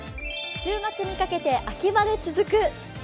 週末にかけて秋晴れ続く。